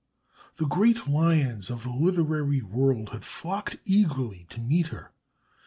The great lions of the literary world had flocked eagerly to meet her.